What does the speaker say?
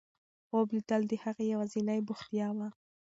خوب لیدل د هغې یوازینۍ بوختیا وه.